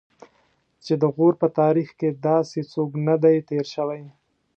چې د غور په تاریخ کې داسې څوک نه دی تېر شوی.